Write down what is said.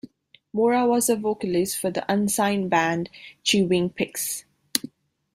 Mora was the vocalist for the unsigned band Chewing Pics.